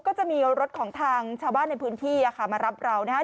ก็จะมีรถของทางชาวบ้านในพื้นที่มารับเรานะฮะ